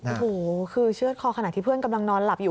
โอ้โหคือเชื่อดคอขณะที่เพื่อนกำลังนอนหลับอยู่